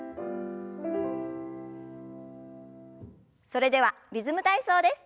それでは「リズム体操」です。